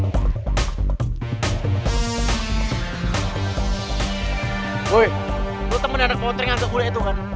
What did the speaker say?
lo temen anak motering yang gak boleh itu kan